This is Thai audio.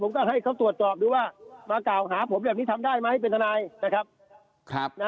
เพราะฉะนั้นก็เตรียมไปรับทราบข้อเก่าหาที่สนโกคามเลยนะครับอาทิตย์หน้าครับ